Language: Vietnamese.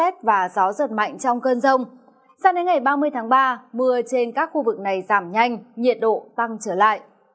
từ ngày ba mươi tháng ba mưa trên các khu vực này giảm nhanh nhiệt độ tăng trở lại